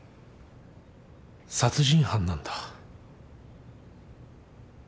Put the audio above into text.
殺人犯なんだ。